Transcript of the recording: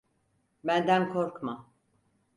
Benden korkma.